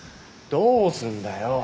どうすんだよ。